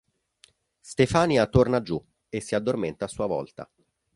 Stefania torna giù e si addormenta a sua volta.